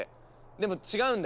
でも違うんだ。